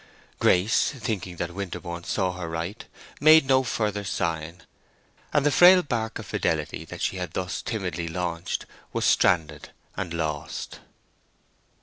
Grace, thinking that Winterborne saw her write, made no further sign, and the frail bark of fidelity that she had thus timidly launched was stranded and lost.